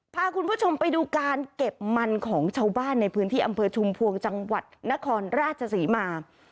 พาคุณผู้ชมไปดูการเก็บมันของชาวบ้านในพื้นที่อำเภอชุมพวงจังหวัดนครราชศรีมา